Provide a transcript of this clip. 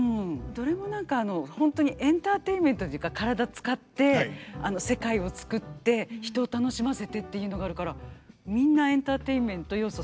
どれも何かホントにエンターテインメントというか体使ってあの世界を作って人を楽しませてっていうのがあるからみんなエンターテインメント要素